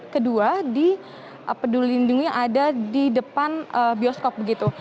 kedua di peduli lindungi yang ada di depan bioskop begitu